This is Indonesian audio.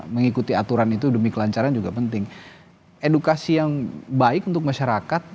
mengikuti aturan itu demi kelancaran juga penting edukasi yang baik untuk masyarakat